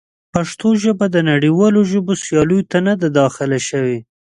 پښتو ژبه د نړیوالو ژبو سیالۍ ته نه ده داخله شوې.